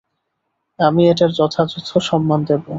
আমি এটার যথাযথ সম্মান দেবো।